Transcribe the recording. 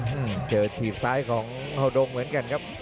อืมเจอถีบซ้ายของเฮาวดงเหมือนกันครับ